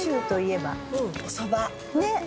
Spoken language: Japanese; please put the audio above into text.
ねっ。